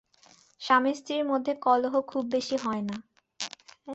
স্বামী-স্ত্রীর মধ্যে কলহ খুব বেশী হয় না।